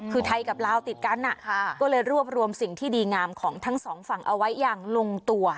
คือไทยกับลาวติดกันก็เลยรวบรวมสิ่งที่ดีงามของทั้งสองฝั่งเอาไว้อย่างลงตัว